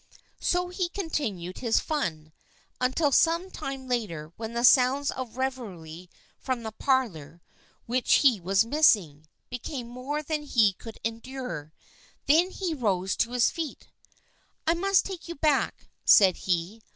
So he continued his " fun " until some time later, when the sounds of revelry from the parlor, which he was missing, became more than he could endure. Then he rose to his feet. " I must take you back," said he.